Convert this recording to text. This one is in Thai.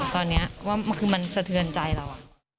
ตอนนี้ว่าคือมันสะเทือนใจเรา